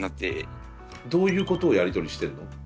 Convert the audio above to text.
どういうことをやりとりしてんの？